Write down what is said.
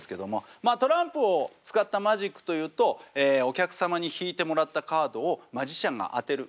まあトランプを使ったマジックというとお客様に引いてもらったカードをマジシャンが当てる。